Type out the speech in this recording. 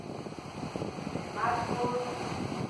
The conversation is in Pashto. د مرګ کور وو.